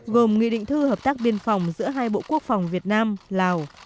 gồm nghị định thư hợp tác biên phòng giữa hai bộ quốc phòng việt nam lào